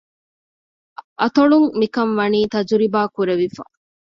އަތޮޅުން މިކަން ވަނީ ތަޖުރިބާ ކުރެވިފަ